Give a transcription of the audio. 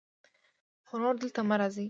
خو نور دلته مه راځئ.